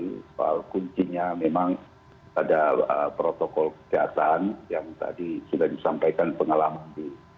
soal kuncinya memang ada protokol kesehatan yang tadi sudah disampaikan pengalaman